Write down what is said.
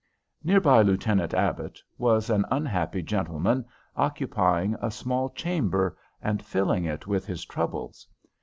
Near by Lieutenant Abbott was an unhappy gentleman, occupying a small chamber, and filling it with his troubles.